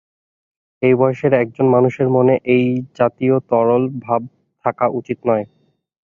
এই বয়সের একজন মানুষের মনে এ জাতীয় তরল ভাব থাকা উচিত নয়।